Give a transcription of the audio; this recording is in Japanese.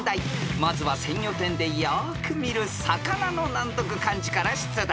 ［まずは鮮魚店でよく見る魚の難読漢字から出題］